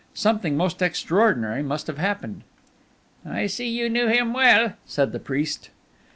Something most extraordinary must have happened?" "I see you knew him well," said the priest.